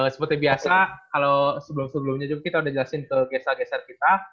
seperti biasa kalau sebelum sebelumnya juga kita udah jelasin ke geser geser kita